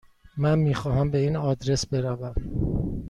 من میخواهم به این آدرس بروم.